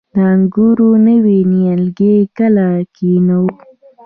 د انګورو نوي نیالګي کله کینوم؟